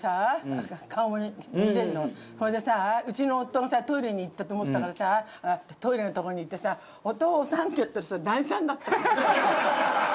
それでさうちの夫がさトイレに行ったと思ったからさトイレのとこに行ってさ「お父さん」って言ったらさ談志さんだった。